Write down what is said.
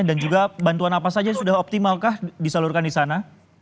dan juga bantuan apa saja sudah optimalkah disalurkan di sana